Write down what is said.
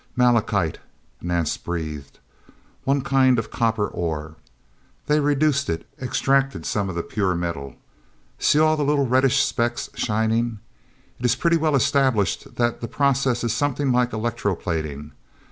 "Malachite," Nance breathed. "One kind of copper ore. They reduced it, extracted some of the pure metal. See all the little reddish specks shining? It is pretty well established that the process is something like electroplating.